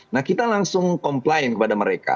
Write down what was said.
nah kita langsung komplain kepada mereka